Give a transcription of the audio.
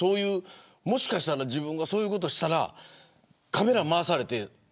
もしかしたら自分がそういうことしたらカメラをまわされて。